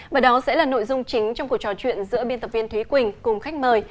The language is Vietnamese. và đó sẽ là nội dung chính trong cuộc trò chuyện giữa biên tập viên thúy quỳnh cùng khách mời